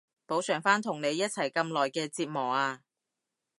補償返同你一齊咁耐嘅折磨啊